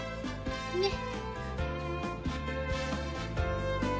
ねっ。